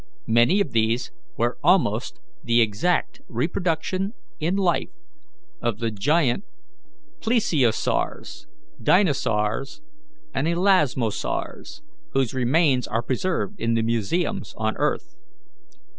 Many of these were almost the exact reproduction in life of the giant plesiosaurs, dinosaurs, and elasmosaurs, whose remains are preserved in the museums on earth.